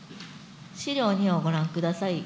資料２をご覧ください。